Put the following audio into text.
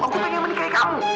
aku pengen menikahi kamu